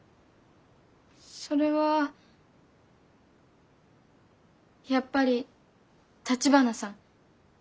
それはやっぱり橘さん。